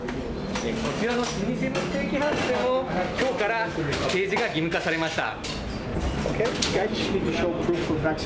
こちらの老舗のステーキハウスでも、きょうから掲示が義務化されました。